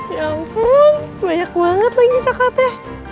ya ampun banyak banget lagi coklatnya